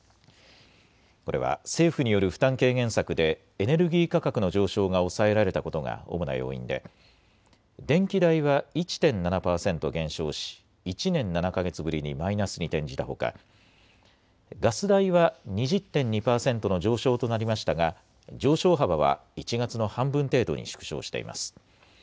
これは政府による負担軽減策でエネルギー価格の上昇が抑えられたことが主な要因で電気代は１．７％減少し１年７か月ぶりにマイナスに転じたほかガス代は２０．２％の上昇となりましたが上昇幅は１月の半分程度に縮小しています。